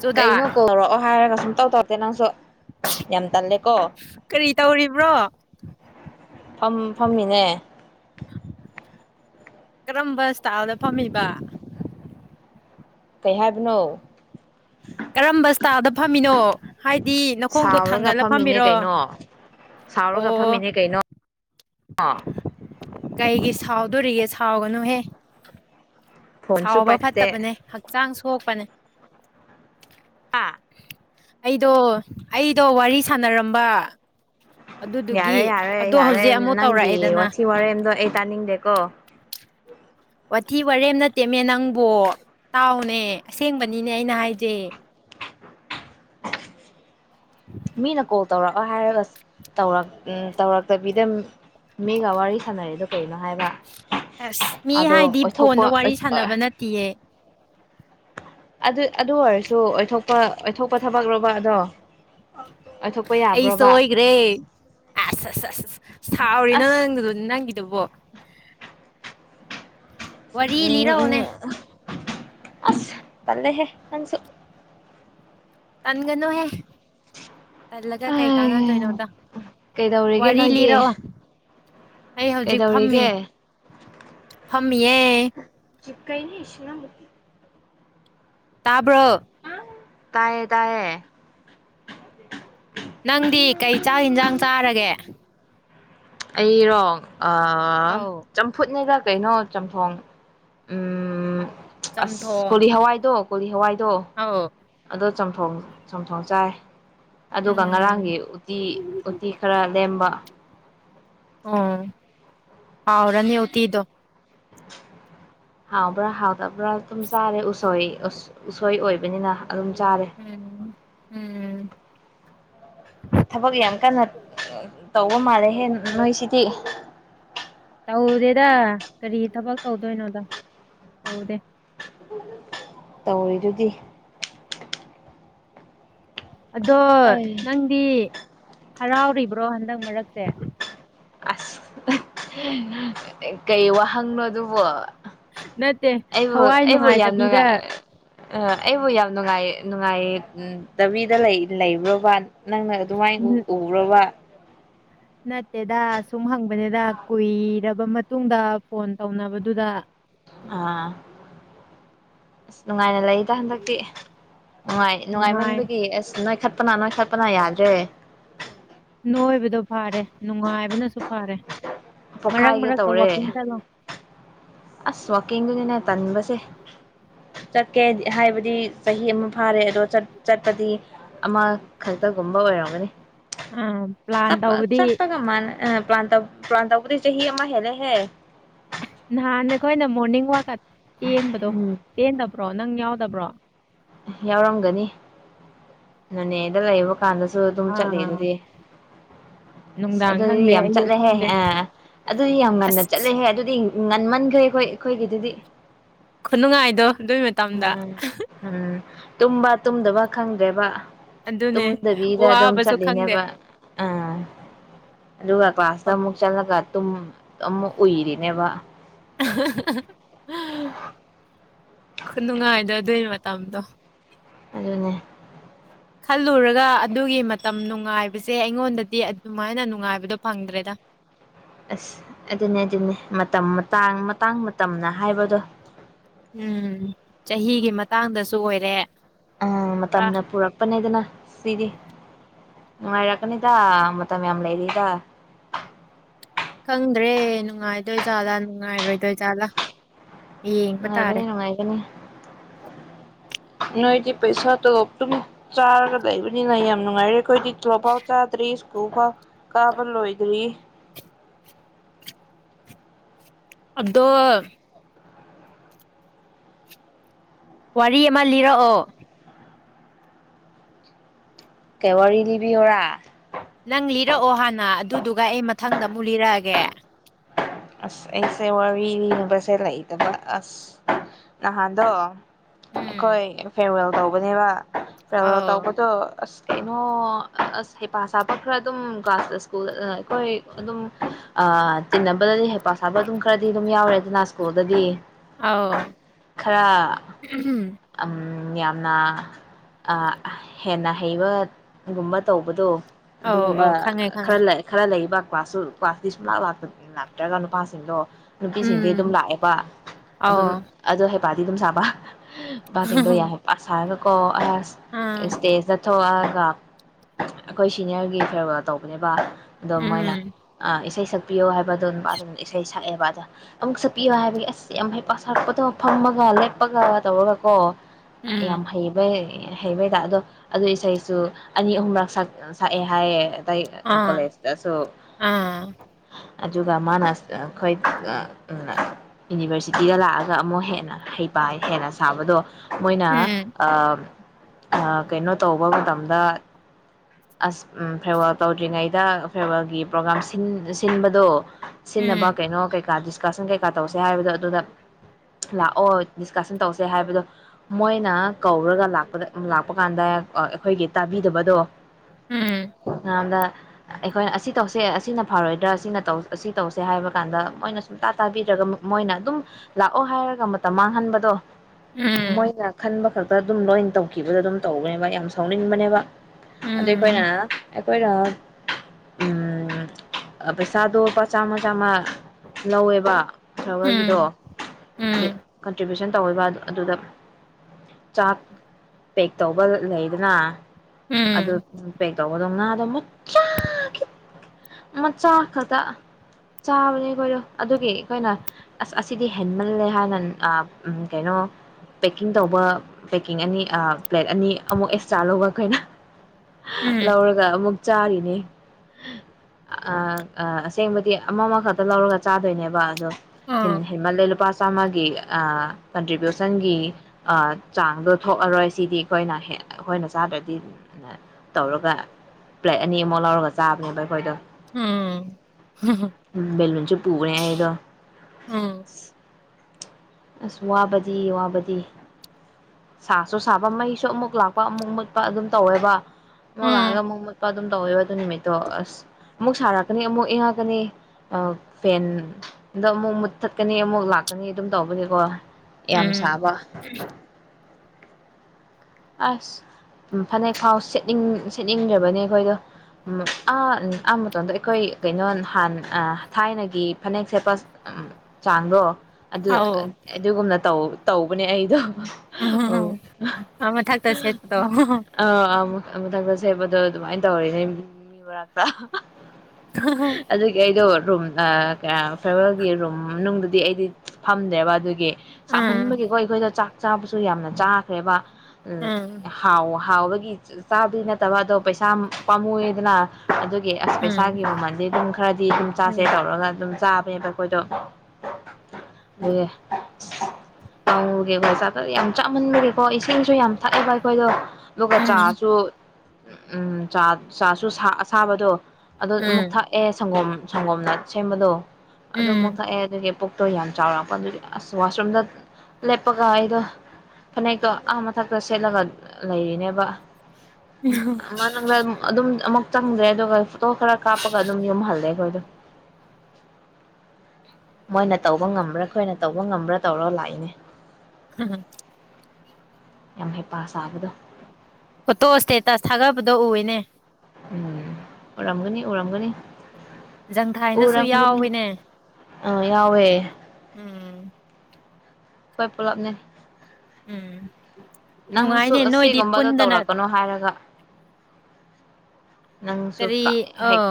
ꯆꯨꯗꯥ ꯀꯩꯅꯣ ꯀꯣꯜꯔꯛꯑꯣ ꯍꯥꯏꯔꯒ ꯁꯨꯡꯇꯧ ꯇꯧꯇꯦ ꯅꯪꯁꯨ ꯌꯥꯝ ꯇꯜꯂꯦꯀꯣ ꯀꯔꯤ ꯇꯧꯔꯤꯕ꯭ꯔꯣ ꯐꯝ ꯐꯝꯃꯤꯅꯦ ꯀꯔꯝꯕ ꯏꯁꯇꯥꯥꯏꯜꯗ ꯐꯝꯃꯤꯕ ꯀꯩ ꯍꯥꯏꯕꯅꯣ ꯀꯔꯝꯕ ꯁꯇꯥꯥꯏꯜꯗ ꯐꯝꯃꯤꯅꯣ ꯍꯥꯏꯗꯤ ꯅꯈꯣꯡꯗꯣ ꯁꯥꯎꯔꯒ ꯊꯥꯡꯒꯠꯂ ꯐꯝꯃꯤꯅꯦ ꯐꯝꯃꯤꯔꯣ ꯀꯩꯅꯣ ꯁꯥꯎꯔꯒ ꯑꯣ ꯐꯝꯃꯤꯅꯦ ꯀꯩꯅꯣ ꯀꯩꯒꯤ ꯁꯥꯎꯗꯣꯔꯤꯒꯦ ꯁꯥꯎꯒꯅꯨꯍꯦ ꯐꯣꯟꯁꯨ ꯁꯥꯎꯕ ꯄꯥꯏꯈꯠꯇꯦ ꯐꯠꯇꯕꯅꯦ ꯍꯛꯆꯥꯡ ꯁꯣꯛꯄꯅꯦ ꯍꯥ ꯑꯩꯗꯣ ꯑꯩꯗꯣ ꯋꯥꯔꯤ ꯁꯥꯟꯅꯔꯝꯕ ꯑꯗꯨꯗꯨꯒꯤ ꯌꯥꯔꯦ ꯌꯥꯔꯦ ꯑꯗꯣ ꯌꯥꯔꯦ ꯍꯧꯖꯤꯛ ꯑꯃꯨꯛ ꯅꯪꯒꯤ ꯇꯧꯔꯛꯑꯦꯗꯅ ꯋꯥꯊꯤ ꯋꯥꯔꯦꯝꯗꯣ ꯑꯩ ꯇꯥꯅꯤꯡꯗꯦꯀꯣ [inaudible] ꯋꯊꯤ ꯋꯥꯔꯦꯝ ꯅꯠꯇꯦꯃꯦ ꯅꯪꯕꯣ ꯇꯥꯎꯅꯦ ꯑꯁꯦꯡꯕꯅꯤꯅꯦ ꯑꯩꯅ ꯍꯥꯏꯖꯦ ꯃꯤꯅ ꯀꯣꯜ ꯇꯧꯔꯛꯑꯣ ꯍꯥꯏꯔꯒ ꯇꯧꯔ ꯇꯧꯔꯛꯇꯕꯤꯗ ꯃꯤꯒ ꯋꯥꯔꯤ ꯁꯥꯟꯅꯔꯤꯗꯣ ꯀꯩꯅꯣ ꯍꯥꯏꯕ ꯑꯁ ꯃꯤ ꯑꯗꯣ ꯍꯥꯏꯗꯤ ꯑꯣꯏꯊꯣꯛꯄ ꯐꯣꯟꯗ ꯋꯥꯔꯤ ꯁꯥꯟꯅꯕ ꯅꯠꯇꯤꯌꯦ ꯑꯗꯨ ꯑꯗꯨ ꯑꯣꯏꯔꯁꯨ ꯑꯣꯏꯊꯣꯛꯄ ꯑꯣꯏꯊꯣꯛꯄ ꯊꯕꯛ ꯂꯣꯕ ꯑꯗꯣ ꯑꯣꯏꯊꯣꯛꯄ ꯌꯥꯕ꯭ꯔꯣꯕ ꯑꯩꯁꯣꯏꯒ꯭ꯔꯦ ꯑꯁ ꯑꯁ ꯑꯁ ꯑꯁ ꯁꯥꯎꯔꯤꯅꯣ ꯑꯁ ꯅꯪꯒꯤ ꯗꯨꯕꯣ ꯎꯝ ꯎꯝ ꯂꯤꯔꯛꯑꯣꯅꯦ ꯑꯁ ꯇꯟꯂꯦꯍꯦ ꯅꯪꯁꯨ ꯇꯟꯒꯅꯨꯍꯦ ꯇꯜꯂꯒ ꯀꯩ ꯀꯥꯟꯅꯗꯣꯏꯅꯣꯗ ꯀꯩꯗꯧꯔꯤꯒꯦ ꯋꯥꯔꯤ ꯅꯣꯏꯗꯤ ꯂꯤꯔꯛꯑꯣ ꯑꯩ ꯍꯧꯖꯤꯛ ꯐꯝꯃꯤ ꯀꯩꯗꯧꯔꯤꯒꯦ ꯐꯝꯃꯤꯌꯦ [unintelligible] ꯇꯕ꯭ꯔꯣ ꯇꯥꯏꯌꯦ ꯇꯥꯏꯌꯦ ꯅꯪꯗꯤ ꯀꯩ ꯆꯥꯛ ꯏꯟꯁꯥꯡ ꯆꯥꯔꯒꯦ ꯑꯩꯔꯣ ꯑꯥ ꯑꯧ ꯆꯝꯐꯨꯠꯅꯦꯗ ꯀꯩꯅꯣ ꯆꯝꯊꯣꯡ ꯎꯝ ꯑꯁ ꯆꯝꯊꯣꯡ ꯀꯣꯂꯤ ꯍꯋꯥꯏꯗꯣ ꯀꯣꯂꯤ ꯍꯋꯥꯏꯗꯣ ꯑꯧ ꯑꯗꯣ ꯆꯝꯊꯣꯡ ꯆꯨꯝꯊꯣꯡ ꯆꯥꯏ ꯑꯗꯨꯒ ꯎꯝ ꯉꯔꯥꯡ ꯎꯇꯤ ꯎꯇꯤ ꯈꯔ ꯂꯦꯝꯕ ꯑꯣ ꯍꯥꯎꯔꯅꯤ ꯎꯇꯤꯗꯣ ꯍꯥꯎꯕ꯭ꯔꯥ ꯍꯥꯎꯇꯕ꯭ꯔꯥ ꯑꯗꯨꯝ ꯆꯥꯔꯦ ꯎꯁꯣꯏ ꯎꯁꯣꯏ ꯑꯣꯏꯕꯅꯤꯅ ꯑꯗꯨꯝ ꯆꯥꯔꯦ ꯎꯝ ꯎꯝ ꯊꯕꯛ ꯌꯥꯝ ꯀꯟꯅ ꯇꯧꯕ ꯃꯥꯜꯂꯦ ꯍꯦ ꯅꯣꯏꯁꯤꯗꯤ ꯇꯧꯗꯦꯗ ꯀꯔꯤ ꯊꯕꯛ ꯇꯧꯗꯣꯏꯅꯣꯗ ꯇꯧꯗꯦ ꯇꯧꯔꯤꯗꯨꯗꯤ ꯑꯗꯣ ꯑꯩ ꯅꯪꯗꯤ ꯍꯔꯥꯎꯔꯤꯕ꯭ꯔꯣ ꯍꯟꯗꯛ ꯃꯔꯛꯁꯦ ꯑꯁ ꯀꯩ ꯋꯥꯍꯪꯅꯣ ꯑꯗꯨꯕꯣ ꯅꯠꯇꯦ ꯑꯩꯕꯨ ꯊꯋꯥꯏ ꯑꯩꯕꯨ ꯌꯥꯝ ꯅꯨꯡꯉꯥꯏꯇꯕꯤꯗ ꯅꯨꯡꯉꯥꯏ ꯑꯩꯕꯨ ꯌꯥꯝ ꯅꯨꯡꯉꯥꯏꯌꯦ ꯅꯨꯡꯉꯥꯏ ꯗꯕꯤꯗ ꯂꯩꯕ꯭ꯔꯣꯕ ꯅꯪꯅ ꯑꯗꯨꯃꯥꯏꯅ ꯎꯝ, ꯎꯕ꯭ꯔꯣꯕ ꯅꯠꯇꯦꯗ ꯁꯨꯝ ꯍꯪꯕꯅꯤꯗ ꯀꯨꯏꯔꯛ ꯃꯇꯨꯡꯗ ꯐꯣꯟ ꯇꯧꯅꯕꯗꯨꯗ ꯑꯥ ꯅꯨꯡꯉꯥꯏꯅ ꯂꯩꯗ ꯍꯟꯗꯛꯇꯤ ꯅꯨꯡꯉꯥꯏ ꯅꯨꯡꯉꯥꯏ ꯅꯨꯡꯉꯥꯏꯃꯟꯕꯒꯤ ꯑꯁ ꯅꯣꯏꯈꯠ ꯄꯅ ꯅꯣꯏꯈꯠꯄꯅ ꯌꯥꯗ꯭ꯔꯦ ꯅꯣꯏꯕꯗꯣ ꯐꯥꯔꯦ ꯅꯨꯡꯉꯥꯏꯕꯅꯁꯨ ꯐꯥꯔꯦ ꯄꯣꯛꯈꯥꯏꯒꯦ ꯇꯧꯔꯦ ꯑꯁ ꯋꯥꯛꯀꯤꯡꯗꯨꯅꯤꯅꯦ ꯇꯟꯕꯁꯦ ꯆꯠꯀꯦ ꯍꯥꯏꯕꯗꯤ ꯆꯍꯤ ꯑꯃ ꯐꯥꯔꯦ ꯑꯗꯣ ꯆꯠ ꯆꯠꯄꯗꯤ ꯑꯃꯈꯛꯇꯒꯨꯝꯕ ꯑꯣꯏꯔꯝꯒꯅꯤ ꯑꯥ ꯄ꯭ꯂꯥꯟ ꯆꯠꯄ ꯇꯧꯕꯗꯤ ꯆꯠꯄꯒ ꯃꯥꯟ ꯑꯥ ꯄ꯭ꯂꯥꯟꯇꯧ ꯄ꯭ꯂꯥꯟꯇꯧꯕꯗꯤ ꯆꯍꯤ ꯑꯃ ꯍꯦꯜꯂ ꯍꯦ ꯅꯍꯥꯟ ꯑꯩꯈꯣꯏꯅ ꯃꯣꯔꯅꯤꯡ ꯋꯥꯛꯀ ꯆꯦꯟꯕꯗꯣ ꯎꯝ ꯆꯦꯟꯗꯕ꯭ꯔꯣ ꯅꯪ ꯌꯥꯎ ꯇꯕ꯭ꯔꯣ ꯌꯥꯎꯔꯝꯒꯅꯤ ꯅꯣꯅꯦꯗ ꯂꯩꯕꯨ ꯀꯥꯟꯗꯁꯨ ꯑꯗꯨꯝ ꯆꯠꯂꯤ ꯑꯥ ꯗꯨꯗꯤ ꯑꯁ ꯅꯨꯡꯗꯥꯡ ꯑꯗꯨꯗꯤ ꯈꯪꯗꯦ ꯌꯥꯝ ꯑꯌꯨꯛ ꯆꯠꯂꯦꯍꯦ ꯈꯪꯗꯦ ꯑꯥ ꯑꯗꯨꯗꯤ ꯌꯥꯝ ꯉꯟꯅ ꯑꯁ ꯆꯠꯂꯦꯍꯦ ꯑꯗꯨꯗꯤ ꯉꯟꯃꯟꯈ꯭ꯔꯦ ꯑꯦꯈꯣꯏ ꯑꯦꯈꯣꯏꯒꯤꯗꯨꯗꯤ ꯈꯨꯅꯨꯡꯉꯥꯏꯗꯣ ꯑꯗꯨꯏ ꯃꯇꯝꯗ ꯑꯍꯥ ꯎꯝ ꯇꯨꯝꯕ ꯇꯨꯝꯗꯕ ꯈꯪꯗ꯭ꯔꯦꯕꯥ ꯑꯗꯨꯅꯦ ꯇꯨꯝꯗꯕꯤꯗ ꯑꯗꯨꯝ ꯋꯥꯕꯁꯨ ꯈꯪꯗꯦ ꯆꯠꯂꯤꯅꯦꯕꯥ ꯑꯥ ꯑꯗꯨꯒ ꯀ꯭ꯂꯥꯁꯇ ꯑꯃꯨꯛ ꯆꯠꯂꯒ ꯇꯨꯝ ꯑꯃꯨꯛ ꯎꯏꯔꯤꯅꯦꯕꯥ ꯑꯍꯥ ꯍꯥ ꯍꯥ ꯍꯥ ꯈꯨꯅꯨꯡꯉꯥꯏꯗꯣ ꯑꯗꯨꯏ ꯃꯇꯝꯗꯣ ꯑꯗꯨꯅꯦ ꯈꯜꯂꯨꯔꯒ ꯑꯗꯨꯒꯤ ꯃꯇꯝ ꯅꯨꯡꯉꯥꯏꯕꯖꯦ ꯑꯩꯉꯣꯟꯗꯗꯤ ꯑꯗꯨꯃꯥꯏꯅ ꯅꯨꯡꯉꯥꯏꯕꯗꯣ ꯐꯪꯗ꯭ꯔꯦꯗꯥ [inaudible] ꯑꯁ ꯑꯗꯨꯅꯦ ꯑꯗꯨꯅꯦ ꯃꯇꯝ ꯃꯇꯥꯡ ꯃꯇꯥꯡ ꯃꯇꯝꯅ ꯍꯥꯏꯕꯗꯣ ꯎꯝ ꯆꯍꯤꯒꯤ ꯃꯇꯥꯡꯗꯁꯨ ꯑꯣꯏꯔꯦ ꯑꯝ ꯄꯨꯔꯥ ꯃꯇꯝꯅ ꯄꯨꯔꯛꯄꯅꯦꯗꯥꯅ ꯁꯤꯗꯤ ꯅꯨꯡꯉꯥꯏꯔꯛꯀꯅꯤꯗ ꯃꯇꯝ ꯌꯥꯝ ꯂꯩꯔꯤꯗꯥ ꯈꯪꯗ꯭ꯔꯦ ꯅꯨꯡꯉꯥꯏꯗꯣꯏꯖꯥꯠꯂꯥ ꯅꯨꯡꯉꯥꯏꯔꯣꯏꯗꯣꯏ ꯖꯥꯠꯂꯥ ꯌꯦꯡꯕ ꯇꯥꯔꯦ ꯅꯨꯡꯉꯥꯏꯒꯅꯤ ꯅꯨꯡꯉꯥꯏꯒꯅꯤ ꯅꯣꯏꯗꯤ ꯄꯩꯁꯥ ꯇꯣꯂꯣꯞꯇꯨꯝ ꯆꯥꯔꯒ ꯂꯩꯕꯅꯤꯅ ꯌꯥꯝ ꯅꯨꯡꯉꯥꯏꯔꯦ ꯈꯣꯏꯗꯤ ꯇꯣꯂꯣꯞ ꯐꯥꯎ ꯆꯥꯗ꯭ꯔꯤ ꯁ꯭ꯀꯨꯜ ꯐꯥꯎ ꯀꯥꯕ ꯂꯣꯏꯗꯔꯤ ꯑꯗꯣ ꯋꯥꯔꯤ ꯑꯃ ꯂꯤꯔꯛꯑꯣ ꯀꯩꯋꯥꯔꯤ ꯂꯤꯕꯤꯑꯣꯔꯥ ꯅꯪ ꯂꯤꯔꯛꯑꯣ ꯍꯥꯟꯅ ꯑꯗꯨꯗꯨꯒ ꯑꯩ ꯃꯊꯪꯗ ꯑꯃꯨꯛ ꯂꯤꯔꯛꯑꯒꯦ ꯑꯁ ꯑꯩꯁꯦ ꯋꯥꯔꯤ ꯂꯤꯅꯕꯁꯦ ꯂꯩꯇꯕ ꯑꯁ ꯅꯍꯥꯟꯗꯣ ꯎꯝ ꯑꯩꯈꯣꯏ ꯐꯦꯔꯋꯦꯜ ꯇꯧꯕꯅꯦꯕꯥ ꯐꯦꯔꯋꯦꯜ ꯑꯧ ꯇꯧꯕꯗꯣ ꯑꯁ ꯀꯩꯅꯣ ꯑꯁ ꯍꯩꯄꯥ ꯁꯥꯕ ꯈꯔ ꯑꯗꯨꯝ ꯀ꯭ꯂꯥꯁꯇ ꯁ꯭ꯀꯨꯜ ꯑꯥ ꯑꯩꯈꯣꯏ ꯑꯗꯨꯝ ꯑꯥ ꯑꯥ ꯇꯤꯟꯅꯕꯗꯗꯤ ꯍꯩꯄꯥ ꯁꯥꯕ ꯑꯗꯨꯝ ꯈꯔꯗꯤ ꯑꯗꯨꯝ ꯌꯥꯎꯔꯦꯗꯅꯥ ꯁ꯭ꯀꯨꯜꯗꯗꯤ ꯑꯧ ꯈꯔ ꯑꯝ ꯌꯥꯝꯅ ꯑꯥ ꯍꯦꯟꯅ ꯍꯩꯕ ꯒꯨꯝꯕ ꯇꯧꯕꯗꯣ ꯑꯧ ꯑꯧ ꯑꯗꯨꯒꯨꯝꯕ ꯈꯪꯉꯦ ꯈꯪꯉꯦ ꯈꯔ ꯂꯩ ꯈꯔ ꯂꯩꯕꯥ ꯀ꯭ꯂꯥꯁꯁꯨ ꯀ꯭ꯂꯥꯁꯇꯤ ꯁꯨꯛꯂꯥꯛ ꯂꯥꯛꯇꯕ ꯂꯥꯛ ꯅꯠꯇ꯭ꯔꯒ ꯅꯨꯄꯥꯁꯤꯡꯗꯣ ꯅꯨꯄꯤꯁꯤꯡꯗꯤ ꯑꯗꯨꯝ ꯎꯝ ꯂꯥꯛꯑꯦꯕ ꯑꯗꯨꯝ ꯑꯧ ꯑꯗꯣ ꯍꯩꯞ ꯄꯥꯗꯤ ꯑꯗꯨꯝ ꯁꯥꯕ ꯅꯨꯄꯥꯁꯤꯡꯗꯣ ꯌꯥꯏ ꯍꯩꯄꯥ ꯁꯥꯔꯒ ꯀꯣ ꯑꯁ ꯑꯥ ꯏꯁꯇꯦꯖꯇ ꯊꯣꯛꯑꯒ ꯑꯩꯈꯣꯏ ꯁꯤꯅꯤꯌꯔꯒꯤ ꯐꯦꯔꯋꯦꯜ ꯇꯧꯕꯅꯦꯕꯥ ꯑꯗꯣ ꯃꯣꯏꯅ ꯎꯝ ꯑꯥ ꯏꯁꯩ ꯁꯛꯄꯤꯌꯣ ꯍꯥꯏꯕꯗꯣ ꯑꯗꯨꯝ ꯏꯁꯩ ꯁꯛꯑꯦꯕꯥ ꯑꯗꯣ ꯑꯃꯨꯛ ꯁꯛꯄꯤꯌꯣ ꯍꯥꯏꯕꯒꯤ ꯑꯁ ꯌꯥꯝ ꯍꯩ ꯄꯥ ꯁꯔꯛꯄꯗꯣ ꯐꯝꯃꯒ ꯂꯦꯞꯄꯒ ꯇꯧꯔꯒꯀꯣ ꯎꯝ ꯌꯥꯝ ꯍꯩꯕꯩ ꯍꯩꯕꯩꯗ ꯑꯗꯣ ꯑꯗꯨ ꯏꯁꯩꯁꯨ ꯑꯅꯤ ꯑꯍꯨꯝꯔꯛ ꯁꯛ ꯁꯛꯑꯦ ꯍꯥꯏꯌꯦ ꯑꯇꯩ ꯑꯥ ꯀꯣꯂꯦꯖꯇꯁꯨ ꯑꯥ ꯑꯗꯨ ꯑꯗꯨꯒ ꯃꯥꯅ ꯑꯁꯤꯗ ꯑꯩꯈꯣꯏ ꯑꯥ ꯑꯥ ꯌꯨꯅꯤꯚꯔꯁꯤꯇꯤꯗ ꯂꯥꯛꯑꯒ ꯑꯃꯨꯛ ꯍꯧꯟꯅ ꯍꯩ ꯄꯥ ꯍꯦꯟꯅ ꯁꯥꯕꯗꯣ ꯃꯣꯏꯅ ꯎꯝ ꯑꯥ ꯀꯩꯅꯣ ꯇꯧꯕ ꯃꯇꯝꯗ ꯑꯁ ꯎꯝ ꯐꯦꯔꯋꯦꯜ ꯇꯧꯗ꯭ꯔꯤꯉꯩꯗ ꯐꯦꯔꯋꯥꯜꯒꯤ ꯄ꯭ꯔꯣꯒꯥꯝ ꯁꯤꯟ ꯁꯤꯟꯕꯗꯣ ꯎꯝ ꯁꯤꯖꯤꯟꯅꯕ ꯀꯩꯅꯣ ꯀꯩꯀꯥ ꯗꯤꯁꯀꯁꯟ ꯀꯩꯀꯥ ꯇꯧꯁꯦ ꯍꯥꯏꯕꯗꯣ ꯑꯗꯨꯗ ꯂꯥꯛꯑꯣ ꯗꯤꯁꯀꯁꯟ ꯇꯧꯁꯦ ꯍꯥꯏꯕꯗꯣ ꯃꯣꯏꯅ ꯀꯧꯔꯒ ꯂꯥꯛꯄꯗ ꯂꯥꯛꯄ ꯀꯥꯟꯗ ꯑꯩꯈꯣꯏꯒꯤ ꯇꯥꯕꯤꯗꯕꯗꯣ ꯎꯝ ꯅꯝꯗ ꯑꯩꯈꯣꯏꯅ ꯑꯁꯤ ꯇꯧꯁꯦ ꯑꯁꯤꯅ ꯐꯔꯣꯏꯗ꯭ꯔꯥ ꯑꯁꯤꯅ ꯇꯧ ꯁꯤ ꯇꯧꯁꯦ ꯍꯥꯏꯕ ꯀꯥꯟꯗ ꯃꯣꯏꯅ ꯁꯨꯡꯇꯥ ꯇꯥꯕꯤꯗ꯭ꯔꯒ ꯃꯣꯏꯅ ꯑꯗꯨꯝ ꯂꯥꯛꯑꯣ ꯍꯥꯏꯔꯒ ꯃꯇꯝ ꯃꯥꯡꯍꯟꯕꯗꯣ ꯎꯝ ꯃꯣꯏꯅ ꯈꯟꯕ ꯈꯛꯇ ꯑꯗꯨꯝ ꯂꯣꯏ ꯇꯧꯈꯤꯕꯗ ꯑꯗꯨꯝ ꯇꯧꯕꯅꯦꯕ ꯌꯥꯝ ꯁꯥꯎꯅꯤꯡꯕꯅꯦꯕ ꯑꯗꯨ ꯑꯩꯈꯣꯏꯅ ꯎꯝ ꯑꯩꯈꯣꯏꯅ ꯎꯝ ꯄꯩ ꯁꯥꯗꯣ ꯄ ꯆꯥꯝꯃ ꯆꯥꯝꯃ ꯂꯧꯋꯦꯕ ꯎꯝ ꯐꯦꯔꯋꯦꯜꯒꯤꯗꯣ ꯎꯝ ꯀꯟꯇ꯭ꯔꯤꯕ꯭ꯌꯨꯁꯟ ꯇꯧꯕ ꯑꯗꯨꯗ ꯆꯥꯛ ꯄꯦꯛ ꯇꯧꯕ ꯂꯩꯗꯅ ꯑꯗꯨ ꯎꯝ ꯄꯦꯛ ꯇꯧꯕꯗꯣ ꯃꯨꯛ ꯈꯤꯌꯥ ꯈꯤꯠ ꯃꯆꯥ ꯈꯛꯇ ꯆꯥꯕꯅꯦ ꯑꯩꯈꯣꯏꯗꯣ ꯑꯗꯨꯒꯤ ꯑꯩꯈꯣꯏꯅ ꯑꯁ ꯑꯁꯤꯗꯤ ꯍꯦꯟꯃꯜꯂꯦ ꯍꯥꯏꯅ ꯎꯝ ꯑꯥ ꯀꯩ ꯀꯩꯅꯣ ꯄꯦꯛꯀꯤꯡ ꯇꯧꯕ ꯄꯦꯛꯀꯤꯡ ꯑꯅꯤ ꯄ꯭ꯂꯦꯠ ꯑꯅꯤ ꯑꯃꯨꯛ ꯑꯦꯛꯁꯇ꯭ꯔꯥ ꯂꯧꯕ ꯑꯩꯈꯣꯏꯅ ꯎꯝ ꯂꯧꯔꯒ ꯑꯃꯨꯛ ꯆꯥꯔꯤꯅꯦ ꯑꯥ ꯑꯥ ꯑꯁꯦꯡꯕꯗꯤ ꯑꯃ ꯑꯃꯈꯛꯇ ꯂꯧꯔꯒ ꯆꯥꯗꯣꯏꯅꯦꯕ ꯑꯗꯣ ꯑ ꯍꯦꯟꯃꯂꯦ ꯂꯨꯄꯥ ꯆꯥꯝꯃꯒꯤ ꯀꯟꯇ꯭ꯔꯤꯕ꯭ꯌꯨꯁꯟꯒꯤ ꯆꯥꯡꯗꯣ ꯊꯣꯛꯑꯔꯣꯏ ꯁꯤꯗꯤ ꯑꯩꯈꯣꯏꯅ ꯍꯦꯛ ꯑꯩꯈꯣꯏꯅ ꯆꯥꯗ꯭ꯔꯗꯤ ꯇꯧꯔꯒ ꯄ꯭ꯂꯦꯠ ꯑꯅꯤ ꯑꯃ ꯂꯧꯔꯒ ꯆꯥꯕꯅꯦꯕ ꯑꯩꯈꯣꯏꯗꯣ ꯎꯝ ꯕꯦꯂꯨꯟ ꯁꯨ ꯄꯨꯑꯦ ꯑꯩꯗꯣ ꯎꯝ ꯑꯁ ꯋꯥꯕꯗꯤ ꯋꯥꯕꯗꯤ ꯁꯥꯁꯨ ꯁꯥꯕ ꯃꯩꯁꯨ ꯑꯃꯨꯛ ꯂꯥꯛꯄ ꯑꯃꯨꯛ ꯃꯨꯠꯄ ꯑꯗꯨꯝ ꯇꯧꯋꯦꯕ ꯃꯨꯛ ꯂꯥꯛꯑꯒ ꯎꯝ ꯑꯃꯨꯛ ꯃꯨꯠꯄ ꯑꯗꯨꯝ ꯇꯧꯋꯦꯕ ꯑꯗꯨ ꯅꯨꯃꯤꯠꯇꯣ ꯑꯁ ꯑꯃꯨꯛ ꯁꯥꯔꯛꯀꯅꯤ ꯑꯃꯨꯛ ꯏꯪꯉꯛꯀꯅꯤ ꯐꯦꯟꯗ ꯑꯃꯨꯛ ꯃꯨꯠꯊꯠꯀꯅꯤ ꯑꯃꯨꯛ ꯂꯥꯛꯀꯅꯤ ꯑꯗꯨꯝ ꯇꯧꯕꯅꯤꯀꯣ ꯌꯥꯝ ꯎꯝ ꯁꯥꯕ ꯑꯁ ꯎꯝ ꯐꯅꯦꯛ ꯐꯥꯎ ꯁꯦꯠꯅꯤꯡ ꯁꯦꯠꯅꯤꯡꯗ꯭ꯔꯕꯅꯦ ꯑꯩꯈꯣꯏꯗꯣ ꯎꯝ ꯑꯥ ꯑꯥ ꯃꯇꯣꯝꯗ ꯑꯩꯈꯣꯏ ꯀꯩꯅꯣ ꯅꯥꯟ ꯊꯥꯏꯅꯒꯤ ꯐꯅꯦꯛ ꯁꯦꯠꯄ ꯆꯥꯡꯗꯣ ꯑꯗꯨ ꯑꯧ ꯑꯗꯨꯒꯨꯝꯅ ꯇꯧ ꯇꯧꯕꯅꯦ ꯑꯩꯗꯣ ꯑꯧ ꯎꯝ ꯃꯊꯛꯇ ꯁꯦꯠꯄꯗꯣ ꯑꯥ ꯑꯃꯨꯛ ꯑꯃꯨꯇꯪ ꯁꯦꯕꯗꯣ ꯑꯗꯨꯃꯥꯏꯅ ꯇꯧꯔꯤꯅꯦ ꯃꯤ ꯃꯔꯥꯛꯇ ꯑꯗꯨꯒꯤ ꯑꯩꯗꯣ ꯔꯨꯝ ꯑꯥ ꯐꯦꯔꯋꯦꯜꯒꯤ ꯔꯨꯝ ꯅꯨꯡꯗꯨꯗꯤ ꯑꯩꯗꯤ ꯐꯝꯗꯦꯕ ꯑꯗꯨꯒꯤ ꯎꯝ ꯎꯝ ꯁꯥꯃꯟꯕꯒꯤꯀꯣ ꯑꯩꯈꯣꯏꯗ ꯆꯥꯛ ꯆꯥꯕꯁꯨ ꯌꯥꯝꯅ ꯆꯥꯈ꯭ꯔꯦꯕ ꯎꯝ ꯍꯥꯎ ꯍꯥꯎꯕꯒꯤ ꯆꯥꯕꯗꯤ ꯅꯠꯇꯕ ꯑꯗꯣ ꯄꯩꯁꯥ ꯄꯥꯝꯃꯨꯑꯦꯗꯅ ꯑꯗꯨꯒꯤ ꯑꯁ ꯎꯝ ꯄꯩꯁꯥꯒꯤ ꯃꯃꯜꯗꯤ ꯑꯗꯨꯝ ꯈꯔꯗꯤ ꯑꯗꯨꯝ ꯆꯥꯁꯦ ꯇꯧꯔꯒ ꯑꯗꯨꯝ ꯆꯥ ꯅꯦꯕ ꯑꯩꯈꯣꯏꯗꯣ ꯇꯉꯒꯦꯕ ꯆꯥꯇ ꯌꯥꯝ ꯆꯥꯃꯟꯕꯒꯤꯀꯣ ꯏꯁꯤꯡ ꯁꯨ ꯌꯥꯝ ꯊꯛꯑꯦꯕ ꯑꯩꯈꯣꯏꯗꯣ ꯑꯗꯨꯒ ꯎꯝ ꯆꯥꯁꯨ ꯎꯝ ꯆꯥ ꯆꯥꯁꯨ ꯑꯁꯥꯕꯗꯣ ꯑꯗꯨ ꯑꯃꯨꯛ ꯎꯝ ꯊꯛꯑꯦ ꯁꯪꯒꯣꯝ ꯁꯪꯒꯣꯝꯅ ꯁꯦꯝꯕꯗꯣ ꯑꯗꯨ ꯎꯝ ꯑꯃꯨꯛ ꯊꯛꯑꯦ ꯑꯗꯨꯒꯤ ꯄꯨꯛꯛꯇꯣ ꯌꯥꯝ ꯆꯥꯎꯔꯛꯄ ꯑꯗꯨꯒꯤ ꯑꯁ ꯋꯥꯁꯔꯨꯝꯗ ꯂꯦꯞꯄꯒ ꯑꯩꯗꯣ ꯐꯅꯦꯛꯇꯣ ꯑꯥ ꯃꯊꯛꯇ ꯁꯦꯠꯂꯒ ꯂꯩꯔꯤꯅꯦꯕ ꯃꯔꯛ ꯑꯗꯨꯝ ꯑꯃꯨꯛ ꯆꯡꯗ꯭ꯔꯦ ꯑꯗꯨꯒ ꯐꯣꯇꯣ ꯈꯔ ꯀꯥꯞꯄꯒ ꯑꯗꯨꯝ ꯌꯨꯝꯍꯜꯂꯦ ꯑꯩꯈꯣꯏꯗꯣ [inaudible] ꯃꯣꯏꯅ ꯇꯧꯕ ꯉꯝꯕ꯭ꯔꯥ ꯈꯣꯏꯅ ꯇꯧꯕ ꯉꯝꯕ꯭ꯔꯥ ꯇꯧꯔꯣ ꯂꯥꯛꯏꯅꯦ ꯍꯥ ꯍꯥ ꯌꯥꯝ ꯍꯩꯄ ꯁꯥꯕꯗꯣ ꯐꯣꯇꯣ ꯏꯁꯇꯦꯇꯁ ꯊꯥꯒꯠꯄꯗ ꯎꯏꯅꯦ ꯎꯝ ꯎꯔꯝꯒꯅꯤ ꯎꯔꯝꯒꯅꯤ ꯖꯪꯊꯥꯏꯅꯁꯨ ꯌꯥꯎꯋꯤꯅꯦ ꯑ ꯌꯥꯎꯋꯦ ꯎꯝ ꯑꯩꯈꯣꯏ ꯄꯨꯂꯞꯅꯦ ꯎꯝ ꯅꯪꯁꯨ ꯅꯨꯡꯉꯥꯏꯅꯦ ꯅꯣꯏꯗꯤ ꯑꯁꯤꯒꯨꯝꯕꯗꯣ ꯄꯨꯟꯗꯅ ꯇꯧꯔꯛꯀꯅꯣ ꯍꯥꯏꯔꯒ ꯅꯪꯁꯨ ꯀꯔꯤ ꯀ ꯑ ꯍꯦꯛ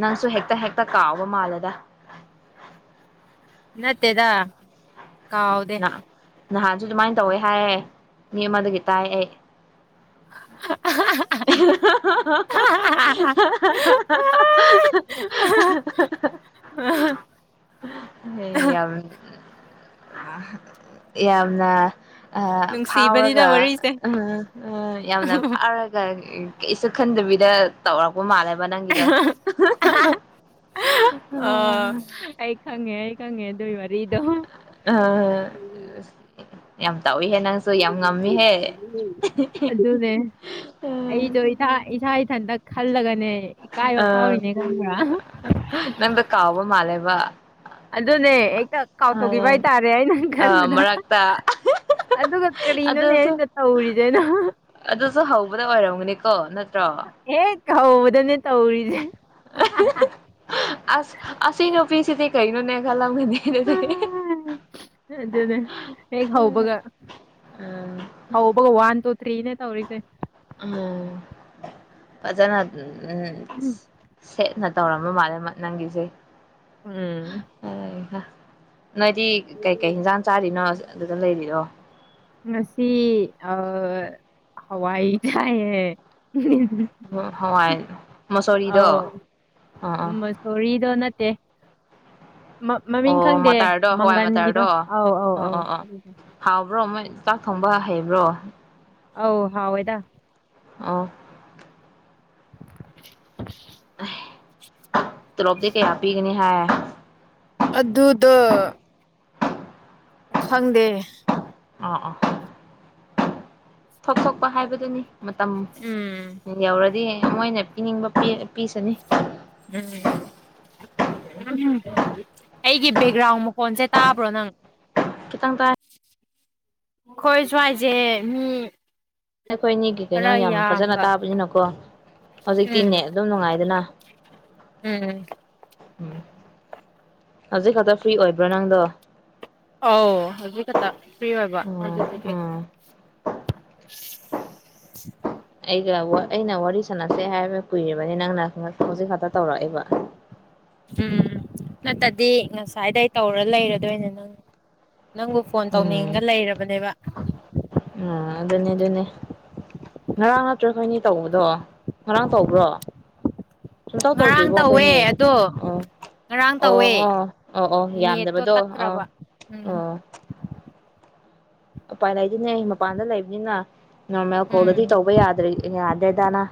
ꯅꯪꯁꯨ ꯍꯦꯛ ꯍꯦꯛꯇ ꯍꯦꯛꯇ ꯀꯥꯎꯕ ꯃꯥꯜꯂꯦꯗ ꯅꯠꯇꯦꯗꯥ ꯀꯥꯎꯗꯦ ꯅꯍꯥꯟꯁꯨ ꯑꯗꯨꯃꯥꯏꯅ ꯇꯧꯋꯦ ꯍꯥꯏꯌꯦ ꯃꯤ ꯑꯃꯗꯒꯤ ꯇꯥꯏ ꯑꯩ [unintelligible] [unintelligible] [unintelligible] ꯍꯦ ꯌꯥꯝ ꯌꯥꯝꯅ ꯑꯥ ꯅꯨꯡꯁꯤꯕꯅꯤꯗ ꯐꯥꯎꯔꯒ ꯋꯥꯔꯤꯁꯦ ꯑꯪ ꯑꯪ ꯌꯥꯝꯅ ꯐꯥꯎꯔꯒ ꯎꯝ ꯀꯩꯁꯨ ꯈꯟꯗꯕꯤꯗ ꯇꯧꯔꯛꯄ ꯃꯥꯜꯂꯦꯕ ꯅꯪꯒꯤꯗꯣ ꯑꯥ ꯑꯩ ꯈꯪꯉꯦ ꯑꯩ ꯈꯪꯉꯦ ꯑꯗꯨꯒꯤ ꯋꯥꯔꯤꯗꯣ ꯑꯥ ꯌꯥꯝ ꯇꯧꯏꯍꯦ ꯅꯪꯁꯨ ꯌꯥꯝ ꯉꯝꯃꯤꯍꯦ ꯑꯍꯦ ꯍꯦ ꯑꯩꯁꯨ ꯏꯁꯥ ꯏꯁꯥ ꯏꯊꯟꯇ ꯈꯜꯂꯒꯅꯦ ꯏꯀꯥꯏꯕ ꯐꯥꯎꯔꯤꯅꯦ ꯈꯪꯕ꯭ꯔꯥ ꯅꯪꯗꯣ ꯀꯥꯎꯕ ꯃꯥꯜꯂꯦꯕ ꯑꯗꯨꯅꯦ ꯍꯦꯛꯇ ꯀꯥꯎꯊꯣꯛꯈꯤꯕ ꯍꯥꯏꯇꯥꯔꯦ ꯑꯩꯅ ꯑ ꯈꯟꯕꯗ ꯃꯔꯛꯇ ꯑꯗꯨꯒ ꯀꯔꯤꯅꯣꯅꯦ ꯑꯗꯨꯁꯨ ꯑꯩꯅ ꯇꯧꯔꯤꯖꯦꯅ ꯔꯣ ꯍꯧꯕꯗꯅꯦ ꯇꯧꯔꯤꯖꯦ ꯑꯁ ꯑꯁꯤ ꯅꯨꯄꯤꯁꯤꯗꯤ ꯀꯩꯅꯣꯅꯦ ꯈꯂꯝꯒꯅꯤ ꯑꯗꯨꯗꯤ ꯍꯦ ꯍꯦ ꯑꯗꯨꯅꯦ ꯍꯦꯛ ꯍꯧꯕꯒ ꯎꯝ ꯍꯧꯕꯒ ꯋꯥꯟ ꯇꯨ ꯊ꯭ꯔꯤꯅꯦ ꯇꯧꯔꯤꯁꯦ ꯑꯥ ꯐꯖꯅ ꯎꯝ ꯁꯦꯠꯅ ꯇꯧꯔꯕ ꯃꯥꯜꯂꯦ ꯃ ꯅꯪꯒꯤꯁꯦ ꯎꯝ ꯅꯣꯏꯗꯤ ꯀꯩꯀꯩ ꯍꯤꯟꯖꯥꯡ ꯆꯥꯔꯤꯅꯣ ꯑꯗꯨꯗ ꯂꯩꯔꯤꯗꯣ ꯉꯁꯤ ꯑꯥ ꯍꯋꯥꯏ ꯆꯥꯏꯌꯦ ꯑꯥ ꯍꯋꯥꯏ ꯃꯨꯁꯣꯔꯤꯗꯣ ꯑꯧ ꯃꯁꯣꯔꯤꯗꯣ ꯅꯠꯇꯦ ꯃ- ꯃꯃꯤꯡ ꯑꯣ ꯈꯪꯗꯦ ꯃꯇꯔꯗꯣ ꯍꯋꯥꯏ ꯃꯇꯔꯗꯣ ꯃꯪꯒꯟꯒꯤꯗꯣ ꯑꯣ ꯑꯧ ꯑꯧ ꯑꯧ ꯑꯣ ꯑꯣ ꯑꯗꯨꯗꯣ ꯍꯥꯎꯕ꯭ꯔꯣ ꯃꯣꯏ ꯆꯥꯛ ꯊꯣꯡꯕ ꯍꯩꯕ꯭ꯔꯣ ꯑꯧ ꯍꯥꯎꯑꯦꯗ ꯑꯣ [inaudible] ꯑꯦ ꯇꯣꯂꯣꯞꯇꯤ ꯀꯌꯥ ꯄꯤꯒꯅꯤ ꯍꯥꯏꯑꯦ ꯑꯗꯨꯗ ꯈꯪꯗꯦ ꯑꯥ ꯑꯥ ꯊꯣꯛ ꯊꯣꯛꯄ ꯍꯥꯏꯕꯗꯨꯅꯤ ꯃꯇꯝ ꯎꯝ ꯌꯧꯔꯗꯤ ꯃꯣꯏꯅ ꯄꯤꯅꯤꯡꯕ ꯄꯤ ꯄꯤꯁꯅꯤ ꯎꯝ ꯎꯝ ꯑꯩꯒꯤ ꯕꯦꯛꯒ꯭ꯔꯥꯎꯟ ꯃꯈꯣꯟꯁꯦ ꯇꯥꯕ꯭ꯔꯣ ꯅꯪ ꯈꯤꯇꯪ ꯇꯥꯏ ꯈꯣꯏ ꯁꯨꯋꯥꯏꯁꯦ ꯃꯤ ꯑꯩꯈꯣꯏ ꯑꯅꯤꯒꯤ ꯀꯩꯅꯣ ꯈꯔ ꯌꯥꯝ ꯐꯖꯅ ꯌꯥꯝꯕ ꯇꯥꯕꯅꯤꯅꯀꯣ ꯍꯧꯖꯤꯛꯇꯤ ꯎꯝ ꯅꯦꯠ ꯑꯗꯨꯝ ꯅꯨꯡꯉꯥꯏꯗꯅ ꯎꯝ ꯍꯧꯖꯤꯛ ꯈꯛꯇ ꯐ꯭ꯔꯤ ꯑꯣꯏꯕ꯭ꯔꯣ ꯅꯪꯗꯣ ꯑꯣ ꯍꯧꯖꯤꯛ ꯈꯛꯇ ꯐ꯭ꯔꯤ ꯑꯣꯏꯕ ꯎꯝ ꯑꯗꯨꯗꯨꯒꯤ [inaudible] ꯎꯝ ꯑꯩꯒ ꯑꯩꯅ ꯋꯥꯔꯤ ꯁꯥꯟꯅꯁꯦ ꯍꯥꯏꯕ ꯀꯨꯏꯔꯤꯕꯅꯤ ꯅꯪꯅ ꯍꯧꯖꯤꯛ ꯈꯥꯛꯇ ꯇꯧꯔꯛꯑꯦꯕ ꯎꯝ ꯅꯠꯇꯗꯤ ꯉꯁꯥꯏꯗꯩ ꯇꯧꯔ ꯂꯩꯔꯗꯣꯏꯅꯦ ꯅꯪ ꯅꯪꯕꯨ ꯐꯣꯟ ꯇꯧꯅꯤꯡꯉꯒ ꯂꯩꯔꯕꯅꯦꯕ ꯑꯥ ꯑꯗꯨꯅꯦ ꯑꯗꯨꯅꯦ ꯉꯔꯥꯡ ꯅꯠꯇ꯭ꯔꯣ ꯈꯣꯏꯅꯤ ꯇꯧꯕꯗꯣ ꯉꯔꯥꯡ ꯇꯧꯕ꯭ꯔꯣ ꯁꯨꯝꯇꯧ ꯉꯔꯥꯡ ꯇꯧꯗ꯭ꯔꯤꯕꯣ ꯇꯧꯋꯦ ꯑꯩꯈꯣꯏꯅꯤ ꯑꯗꯣ ꯑꯧ ꯉꯔꯥꯡ ꯑꯣ ꯇꯧꯋꯦ ꯑꯣ ꯑꯣ ꯑꯣ ꯅꯦꯠꯇꯣ ꯌꯥꯝꯗꯕꯗꯣ ꯑꯧ ꯇꯠꯈ꯭ꯔꯕ ꯎꯝ ꯑꯣ ꯎꯄꯥꯏ ꯂꯩꯗꯦꯅꯦ ꯃꯄꯥꯟꯗ ꯂꯩꯕꯅꯤꯅ ꯅꯣꯔꯃꯦꯜ ꯎꯝ ꯀꯣꯜꯗꯗꯤ ꯇꯧꯕ ꯌꯥꯗ꯭ꯔꯦ ꯌꯥꯗ꯭ꯔꯦꯗꯅ